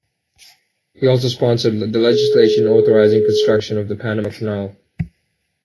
He also sponsored the legislation authorizing construction of the Panama Canal.